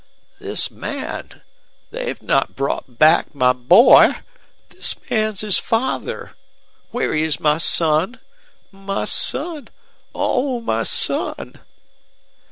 "This man! They've not brought back my boy. This man's his father! Where is my son? My son oh, my son!"